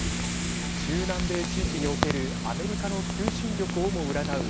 中南米地域におけるアメリカの求心力をも占う